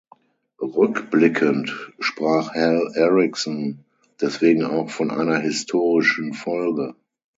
Rückblickend sprach Hal Erickson deswegen auch von einer historischen Folge.